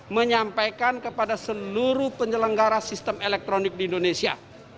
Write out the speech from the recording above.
menyampaikan kepada seluruh penyelenggara sistem elektronik di indonesia